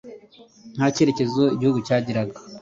nta kerekezo igihugu cyagiraga